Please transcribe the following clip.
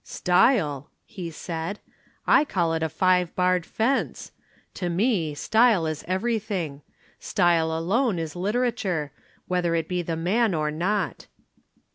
"Style!" he said, "I call it a five barred fence. To me style is everything. Style alone is literature, whether it be the man or not."